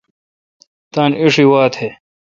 تان اݭی وا تھ۔